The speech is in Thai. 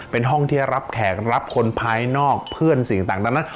เป็นห้องที่รับแขกรับคนภายนอกเพื่อนสิ่งต่างดังนั้น